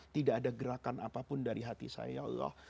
tidak ada gerakan apapun dari hati saya allah